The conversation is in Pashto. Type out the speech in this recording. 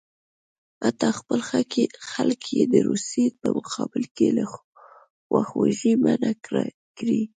حتی خپل خلک یې د روسیې په مقابل کې له خواخوږۍ منع کړي.